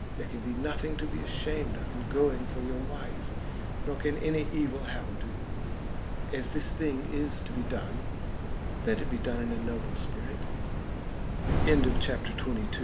There can be nothing to be ashamed of in going for your wife; nor can any evil happen to you. As this thing is to be done, let it be done in a noble spirit." CHAPTER XXIII. SIR FRANCIS' E